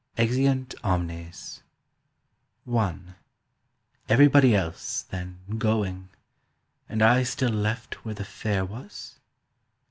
EXEUNT OMNES I EVERYBODY else, then, going, And I still left where the fair was?